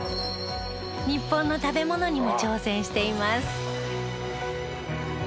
日本の食べ物にも挑戦しています。